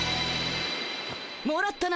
もらったな